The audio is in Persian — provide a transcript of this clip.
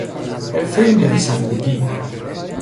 حرفهی نویسندگی